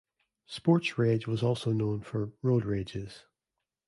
Sports Rage was also known for "Road Rages".